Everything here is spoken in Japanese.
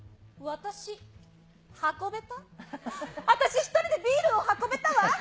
私、１人でビールを運べたわ。